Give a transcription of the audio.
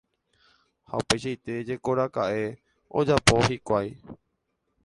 Ha upeichaite jekoraka'e ojapo hikuái.